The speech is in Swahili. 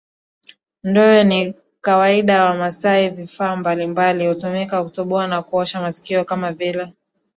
ndewe ni kawaida ya Wamasai Vifaa mbalimbali hutumika kutoboa na kunyosha masikio kama vile